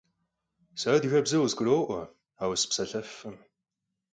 Se adıgebze khızguro'ue, aue sıpselhefkhım.